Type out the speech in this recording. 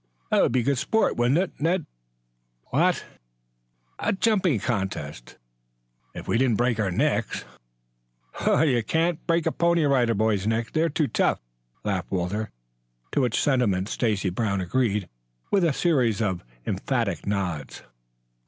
"That would be good sport, wouldn't it, Ned?" "What?" "A jumping contest!" "If we didn't break our necks." "Can't break a Pony Rider Boy's neck. They're too tough," laughed Walter, to which sentiment, Stacy Brown agreed with a series of emphatic nods.